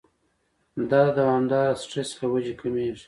دا د دوامداره سټرېس له وجې کميږي